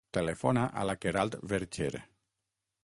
Telefona a la Queralt Vercher.